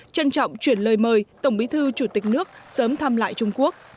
trân trọng chuyển lời mời tổng bí thư chủ tịch nước sớm thăm lại trung quốc